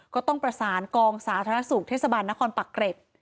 ก็ต้องประสานกองสาธารณสุขเทศบาลนครปักเกร็ด